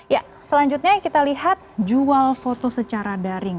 ya selanjutnya kita lihat jual foto secara daring